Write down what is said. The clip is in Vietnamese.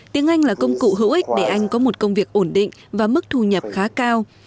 tiếng anh là công cụ hữu ích để anh có một công việc ổn định và mức thu nhập khá cao